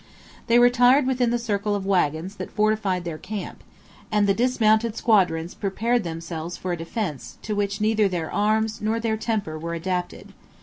They retired within the circle of wagons that fortified their camp; and the dismounted squadrons prepared themselves for a defence, to which neither their arms, nor their temper, were adapted.